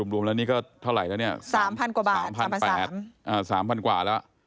รวมแล้วนี่ก็เท่าไรแล้วเนี้ยสามพันกว่าบาทสามพันสามอ่าสามพันกว่าแล้ว